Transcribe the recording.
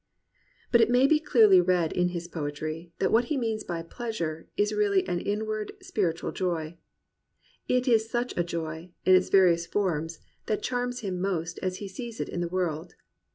But it may be clearly read in his poetry that what he means by "pleasure " is really an inward, spiritual joy. It is such a joy, in its various forms, that charms him most as he sees it in the world.